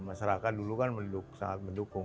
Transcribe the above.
masyarakat dulu kan sangat mendukung